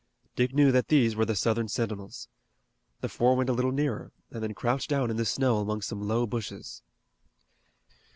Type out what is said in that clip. Dick knew that these were the Southern sentinels. The four went a little nearer, and then crouched down in the snow among some low bushes.